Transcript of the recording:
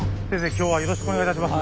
今日はよろしくお願いいたします。